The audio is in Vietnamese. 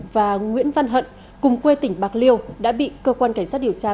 và nguyễn văn hận cùng quê tỉnh bạc liêu đã bị cơ quan cảnh sát điều tra